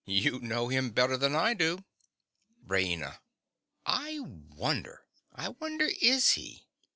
You know him better than I do. RAINA. I wonder—I wonder is he?